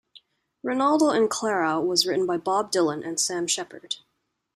"Renaldo and Clara" was written by Bob Dylan and Sam Shepard.